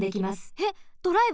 えっドライブ？